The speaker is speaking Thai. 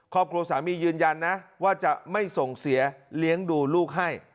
ครอบครัวสามียืนยันนะว่าจะไม่ส่งเสียเลี้ยงดูลูกให้